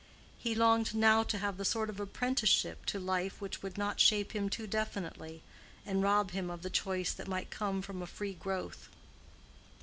He longed now to have the sort of apprenticeship to life which would not shape him too definitely, and rob him of the choice that might come from a free growth.